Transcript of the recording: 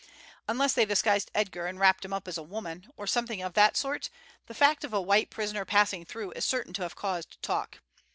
Unless they disguised Edgar, and wrapped him up as a woman, or something of that sort, the fact of a white prisoner passing through is certain to have caused talk.